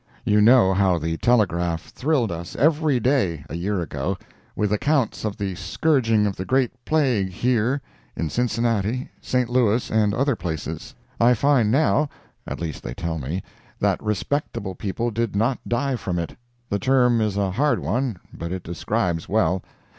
You know how the telegraph thrilled us every day, a year ago, with accounts of the scourging of the great plague here, in Cincinnati, St. Louis and other places. I find now—at least they tell me—that respectable people did not die from it. The term is a hard one, but it describes well.